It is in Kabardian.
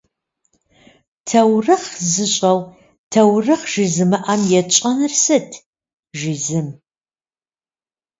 Таурыхъ зыщӏэу таурыхъ жызымыӏам етщӏэнур сыт?- жи зым.